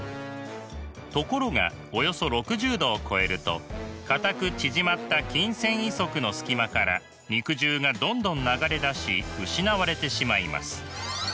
ところがおよそ６０℃を超えると固く縮まった筋繊維束の隙間から肉汁がどんどん流れ出し失われてしまいます。